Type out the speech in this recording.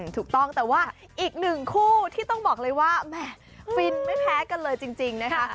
ถูกต้องแต่ว่าอีกหนึ่งคู่ที่ต้องบอกเลยว่าแหม่ฟินไม่แพ้กันเลยจริงนะคะ